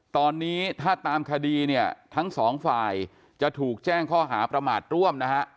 ตอนนี้ถ้าตามคดีเนี่ยทั้งสองฝ่ายจะถูกแจ้งข้อหาประมาทร่วมนะฮะ